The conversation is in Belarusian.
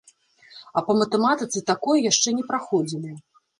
А па матэматыцы такое яшчэ не праходзілі!